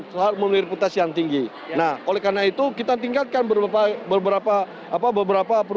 sangat memiliki reputasi yang tinggi nah oleh karena itu kita tingkatkan beberapa beberapa apa beberapa